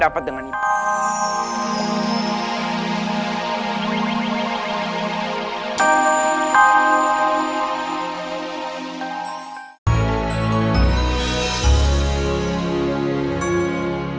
malah karena derwa langsung sang